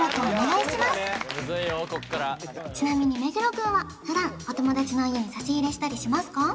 ムズいよこっからちなみに目黒くんは普段お友達の家に差し入れしたりしますか？